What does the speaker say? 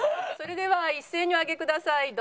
それでは一斉にお上げください。